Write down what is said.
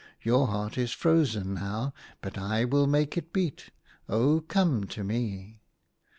Your heart is frozen now, but I will make it beat. Oh, come to me